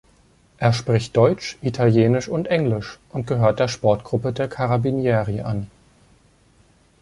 Er spricht Deutsch, Italienisch und Englisch und gehört der Sportgruppe der Carabinieri an.